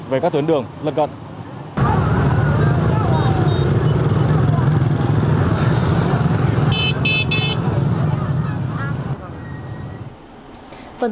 về các tuyến đường lân cận